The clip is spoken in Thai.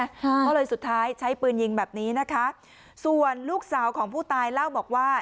ก็เลยสุดท้ายใช้ปืนยิงแบบนี้นะคะส่วนลูกสาวของผู้ตายเล่าบอกว่า